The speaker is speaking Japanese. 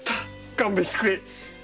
勘弁してくれ！